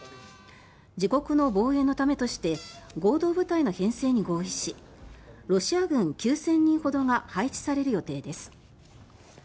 自国の防衛のためとして合同部隊の編成に合意しロシア軍９０００人ほどが配置される予定です。